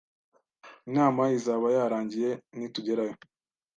Inama izaba yarangiye nitugerayo